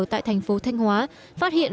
tại thành phố thanh hóa phát hiện